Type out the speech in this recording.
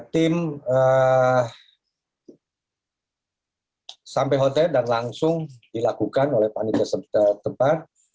tim sampai hotel dan langsung dilakukan oleh panitia tempat